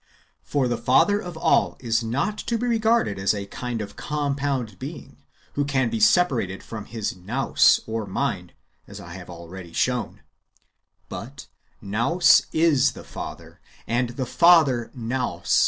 For the Father of all is not to be regarded as a kind of compound Being, who can be separated from his Nous (mind), as I have already shown ; but Nous is the Father, and the Father Nous.